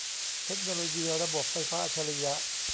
เทคโนโลยีระบบไฟฟ้าอัจฉริยะ